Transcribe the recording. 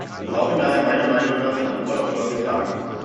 Wir brauchen daher meiner Meinung nach eine Antwort auf folgende Fragen.